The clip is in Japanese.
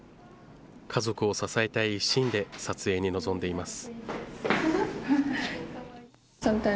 家族を支えたい一心で、撮影に臨んでいます。